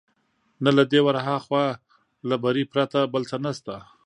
نه له دې ورهاخوا، له بري پرته بل څه نشته.